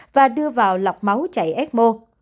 và đưa vào lọc máu chạy ecmo